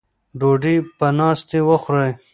ډوډۍ په ناستې وخورئ.